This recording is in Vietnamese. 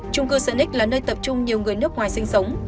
trung cư sơn ích là nơi tập trung nhiều người nước ngoài sinh sống